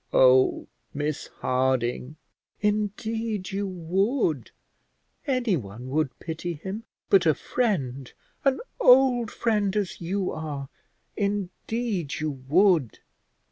"Oh, Miss Harding!" "Indeed you would; anyone would pity him; but a friend, an old friend as you are, indeed you would.